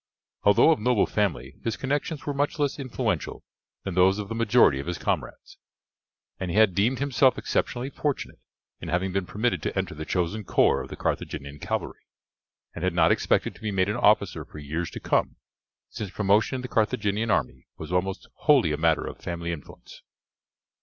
Although of noble family his connections were much less influential than those of the majority of his comrades, and he had deemed himself exceptionally fortunate in having been permitted to enter the chosen corps of the Carthaginian cavalry, and had not expected to be made an officer for years to come, since promotion in the Carthaginian army was almost wholly a matter of family influence.